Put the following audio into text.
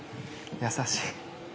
優しい。